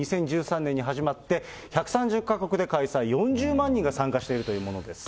２０１３年に始まって１３０か国で開催、４０万人が参加しているというものです。